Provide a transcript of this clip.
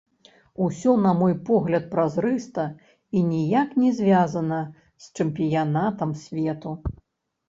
Усё, на мой погляд, празрыста і ніяк не звязана з чэмпіянатам свету.